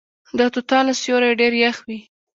د توتانو سیوری ډیر یخ وي.